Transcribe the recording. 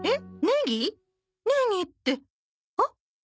えっ？